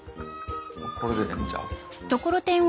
これでええんちゃう？